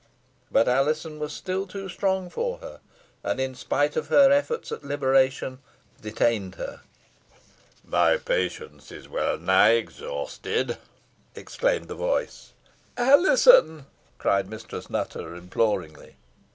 But Alizon was still too strong for her, and, in spite of her efforts at liberation, detained her. "My patience is wellnigh exhausted," exclaimed the voice. "Alizon!" cried Mistress Nutter, imploringly.